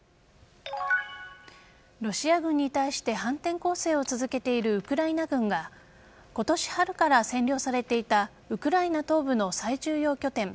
ロシア軍に対して反転攻勢を続けているウクライナ軍が今年春から占領されていたウクライナ東部の最重要拠点